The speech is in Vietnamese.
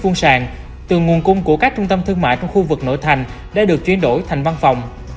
khoảng ba bảy trăm linh m hai sàn từ nguồn cung của các trung tâm thương mại trong khu vực nội thành đã được chuyển đổi thành văn phòng